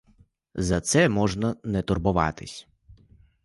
За це можна не турбуватись!